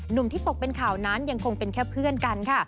หนุ่มที่ตกเป็นข่าวนั้นยังคงเป็นแค่เพื่อนกันค่ะ